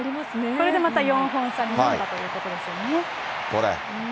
これでまた４本差になったということですよね。